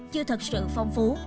chưa thật sự phong phú